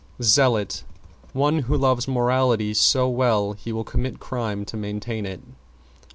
=ZEALOT= One who loves morality so well he will commit crime to maintain it.